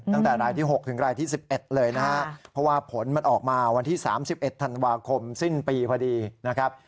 ตั้งแต่รายที่๖ถึงรายที่๑๑เลยนะครับเพราะว่าผลมันออกมาวันที่๓๑ธันวาคมสิ้นปีพอดีนะครับ